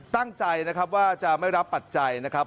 ตั้งใจนะครับว่าจะไม่รับปัจจัยนะครับ